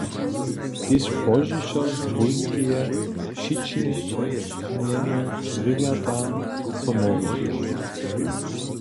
Tež pozdźišo z Pólskeje přićehnjene zwěrjata so morichu.